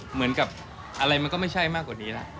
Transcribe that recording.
เหมือนกับอะไรมันก็ไม่ใช่มากกว่านี้แหละ